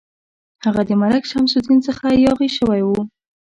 هغه د ملک شمس الدین څخه یاغي شوی وو.